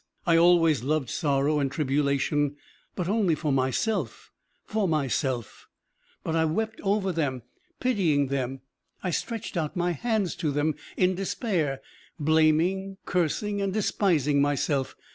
I always loved sorrow and tribulation, but only for myself, for myself; but I wept over them, pitying them. I stretched out my hands to them in despair, blaming, cursing and despising myself.